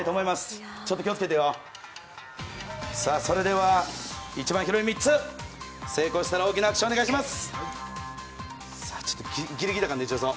それでは一番広い３つ、成功したら大きなアクションお願いします。